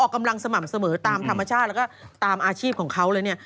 กำลังสม่ำเสมอตามธรรมชาติแล้วก็ตามอาชีพของเขาเลยเนี่ย